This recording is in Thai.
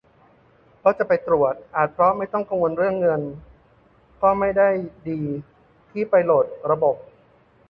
ก็จะไปตรวจ อาจเพราะไม่ต้องกังวลเรื่องเงิน - ก็ไม่ดีที่ไปโหลดระบบ